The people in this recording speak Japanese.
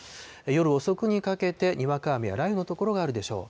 夜遅くにかけてにわか雨や雷雨の所があるでしょう。